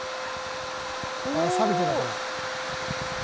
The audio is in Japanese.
さびてるから。